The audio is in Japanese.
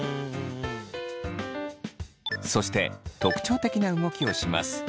そして特徴的な動きをします。